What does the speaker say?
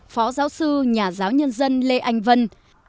phó giáo sư nhà giáo nhân dân lê anh vân